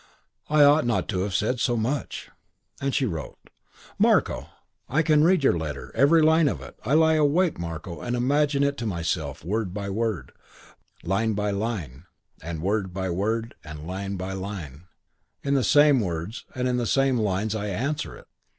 I ought not to have said so much." And she wrote, "Marko, I can read your letter, every line of it. I lie awake, Marko, and imagine it to myself word by word, line by line; and word by word, line by line, in the same words and in the same lines, I answer it.